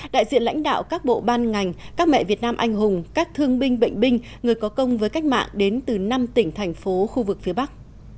đại diện lãnh đạo các bộ ban ngành các mẹ việt nam anh hùng các thương binh bệnh binh người có công với cách mạng đến từ năm tỉnh thành phố khu vực phía bắc